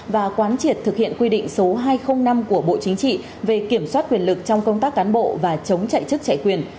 và quán triệt thực hiện quy định số hai trăm linh năm của bộ chính trị về kiểm soát quyền lực trong công tác cán bộ và chống chạy chức chạy quyền